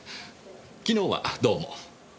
昨日はどうも。